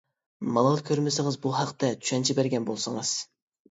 مالال كۆرمىسىڭىز بۇ ھەقتە چۈشەنچە بەرگەن بولسىڭىز.